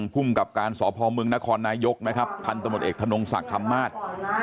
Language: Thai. ภูมิกับการสพมนครนายกนะครับพันธมตเอกธนงศักดิ์คำมาศ